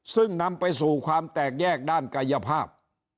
ซึ่งนำไปสู่ความแตกแยกด้านกายภาพ